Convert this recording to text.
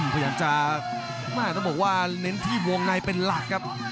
พยายามจะต้องบอกว่าเน้นที่วงในเป็นหลักครับ